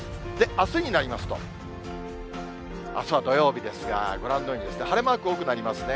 あすになりますと、あすは土曜日ですが、ご覧のように、晴れマーク多くなりますね。